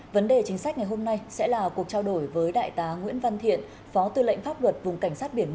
vấn đề chính sách ngày hôm nay sẽ là cuộc trao đổi với đại tá nguyễn văn thiện phó tư lệnh pháp luật vùng cảnh sát biển một